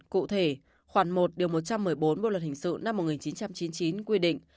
cụ thể khoảng một điều một trăm một mươi bốn bộ luật hình sự năm một nghìn chín trăm chín mươi chín quy định